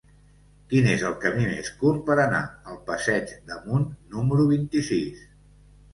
Quin és el camí més curt per anar al passeig d'Amunt número vint-i-sis?